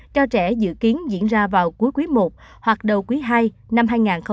cho trẻ dự kiến diễn ra vào cuối quý i hoặc đầu quý ii năm hai nghìn hai mươi